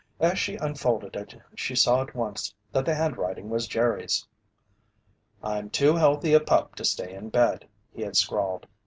As she unfolded it, she saw at once that the handwriting was Jerry's. "I'm too healthy a pup to stay in bed," he had scrawled.